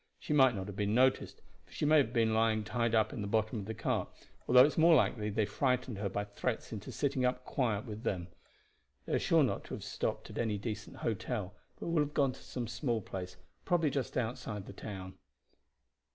She might not have been noticed, for she may have been lying tied up in the bottom of the cart, although it is more likely they frightened her by threats into sitting up quiet with them. They are sure not to have stopped at any decent hotel, but will have gone to some small place, probably just outside the town.